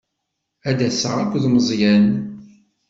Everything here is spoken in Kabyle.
Ad d-aseɣ akked Meẓyan.